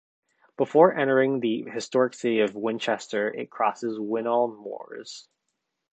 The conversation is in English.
Before entering the historic city of Winchester it crosses Winnall Moors.